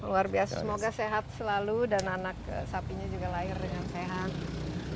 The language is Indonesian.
luar biasa semoga sehat selalu dan anak sapinya juga lahir dengan sehat